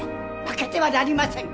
負けてはなりません！